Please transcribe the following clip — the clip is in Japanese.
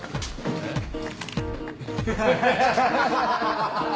ハハハハハ。